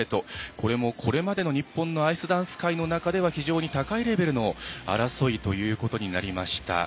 これもこれまでの日本のアイスダンス界の中では高いレベルの争いということになりました。